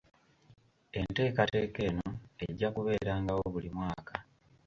Enteekateeka eno ejja kubeerangawo buli mwaka.